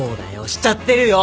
しちゃってるよ！